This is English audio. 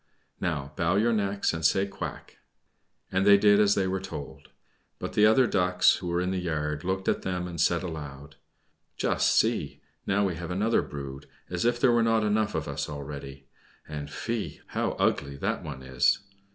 Now bow your necks, and say, 'Quack.'" And they did as they were told. But the other Ducks, who were in the yard, looked at them and said aloud, "Just see! Now we have another brood, as if there were not enough of us already. And fie! how ugly that one is.